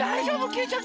きいちゃん